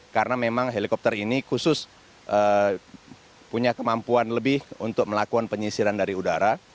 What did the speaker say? karena memang helikopter ini khusus punya kemampuan lebih untuk melakukan penyisiran dari udara